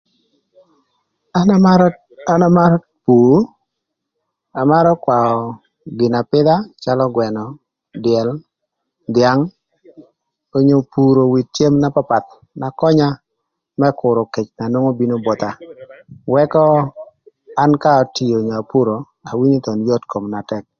An amarö, an amarö pur, amarö kwaö gin apïdha calö gwënö, dyël, dhyang, onyo puro with cem na papath na könya më kürö kec na nwongp bino botha. Wëkö an ka atio onyo apuro, awinyo thon yot kom na tëk.